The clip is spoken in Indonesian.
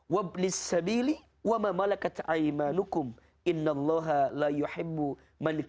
dan berbuat baiklah kepada tetangga dekat